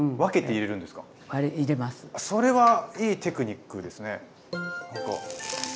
それはいいテクニックですね。